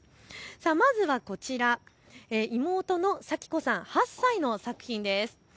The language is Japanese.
まずはこちら、妹のさきこさん、８歳の作品です。